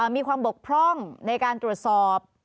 มีความบกพร่องในการตรวจสอบ